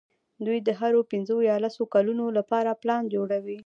دوی د هرو پینځو یا لسو کلونو لپاره پلان جوړوي.